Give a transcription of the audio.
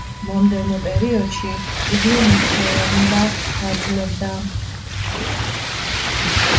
მომდევნო პერიოდში იგი მნიშვნელოვნდა დაძველდა.